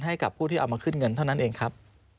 ให้กับผู้ที่เอามาขึ้นเงินเท่านั้นเองครับ